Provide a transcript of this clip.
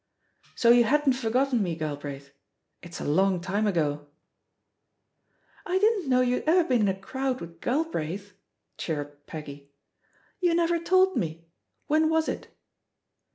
"So you hadn't forgotten me, Galbraith. It's a long time ago !" "I didn't know you'd ever been in a crowd with Galbraith," chirruped Peggy. 'TTou never told me. When was it?"